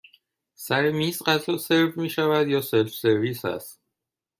سر میز غذا سرو می شود یا سلف سرویس هست؟